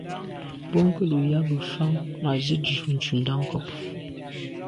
Bwɔ́ŋkə̂’ lû nyágə̀ fáŋ â zît jū ncùndá ŋkɔ̀k.